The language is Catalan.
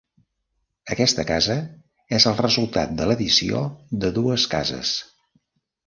Aquesta casa és el resultat de l'addició de dues cases.